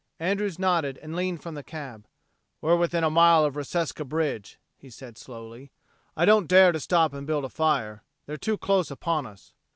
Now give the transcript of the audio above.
Andrews nodded and leaned from the cab. "We're within a mile of Reseca bridge," he said slowly. "I don't dare to stop and build a fire. They're too close upon us."